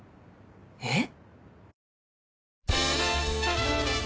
えっ？